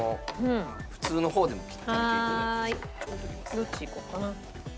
どっちいこうかな。